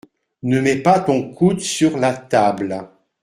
Ne mets pas ton coude sur la table.